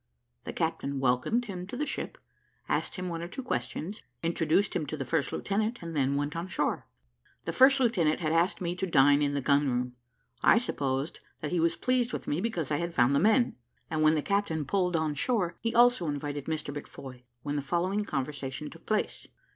The captain welcomed him to the ship, asked him one or two questions, introduced him to the first lieutenant, and then went on shore. The first lieutenant had asked me to dine in the gun room; I supposed that he was pleased with me because I had found the men; and when the captain pulled on shore, he also invited Mr McFoy, when the following conversation took place.